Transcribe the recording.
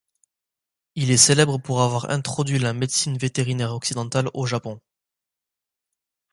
Il est célèbre pour avoir introduit la médecine vétérinaire occidentale au Japon.